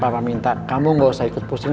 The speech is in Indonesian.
bapak minta kamu gak usah ikut pusing